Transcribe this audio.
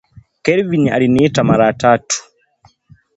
Kevin aliniita mara tatu